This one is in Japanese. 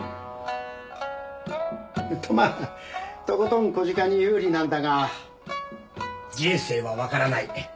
とまあとことん小鹿に有利なんだが人生はわからない。